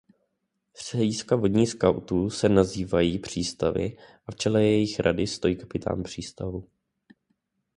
Střediska vodních skautů se nazývají přístavy a v čele jejich rady stojí kapitán přístavu.